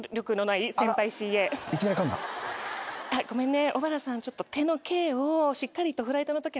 ごめんね。